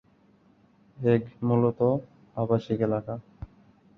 Hague মূলতঃ আবাসিক এলাকা।